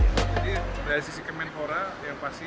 jadi dari sisi ke menpora yang pasti